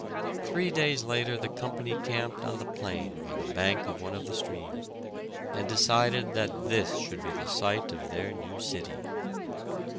Three days later the company camped on the plain by the bank of one of the streams, and decided that this should be the site of their new city.